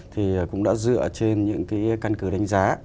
thì cũng đã dựa trên những cái căn cứ đánh giá